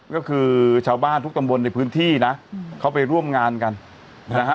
ก็คือชาวบ้านทุกตำบลในพื้นที่นะเขาไปร่วมงานกันนะฮะ